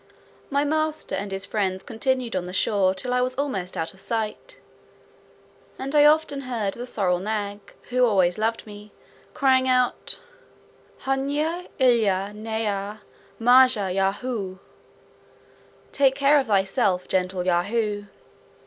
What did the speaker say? My master and his friends continued on the shore till I was almost out of sight; and I often heard the sorrel nag (who always loved me) crying out, "Hnuy illa nyha, majah Yahoo;" "Take care of thyself, gentle Yahoo."